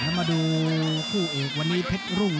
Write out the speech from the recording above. ถ้ามาดูคู่เอกวันนี้เพชรรุ่ง